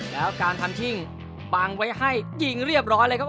แล้วการทำทิ้งปังไว้ให้ยิงเรียบร้อยเลยครับ